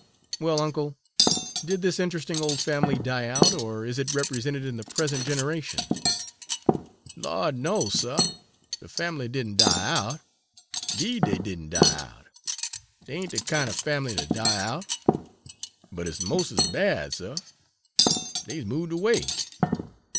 Well, uncle, did this interesting old family die out, or is it represented in the present generation?" "Lawd, no, suh, de fambly did n' die out 'deed dey did n' die out! dey ain't de kind er fambly ter die out! But it's mos' as bad, suh dey's moved away.